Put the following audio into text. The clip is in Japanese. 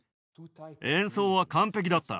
演奏は完璧だった。